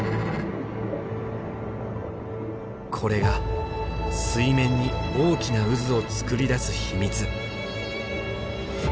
これが水面に大きな渦を作り出す秘密。